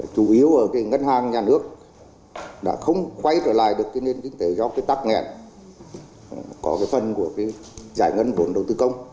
chủ yếu ở ngân hàng nhà nước đã không quay trở lại được nền kinh tế do tắt nghệ có phần của giải ngân vốn đầu tư công